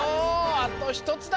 あとひとつだ！